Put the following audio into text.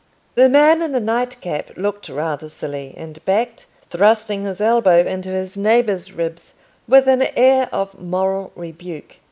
The man in the night cap looked rather silly, and backed, thrusting his elbow into his neighbour's ribs with an air of moral rebuke.